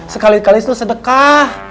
sekali kali itu sedekah